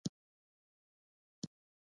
زه زوی سره مې جومات ته ځم د لمانځه لپاره